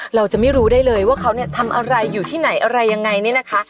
เราจะไม่รู้ได้เลยว่าเขาเนี่ยทำอะไรอยู่ที่ไหนอะไรยังไงเนี่ยนะคะ